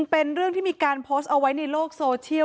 เป็นเรื่องที่มีการโพสต์เอาไว้ในโลกโซเชียล